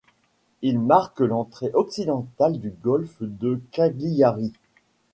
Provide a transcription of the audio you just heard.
Il marque l'entrée occidentale du golfe de Cagliari.